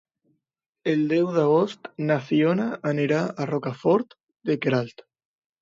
El deu d'agost na Fiona anirà a Rocafort de Queralt.